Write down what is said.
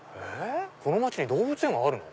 この街に動物園があるの？